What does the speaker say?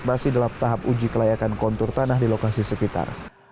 masih dalam tahap uji kelayakan kontur tanah di lokasi sekitar